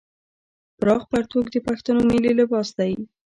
پراخ پرتوګ د پښتنو ملي لباس دی.